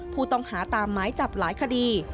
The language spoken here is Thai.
ผู้ต้องหาตามหมายจับหลายคดี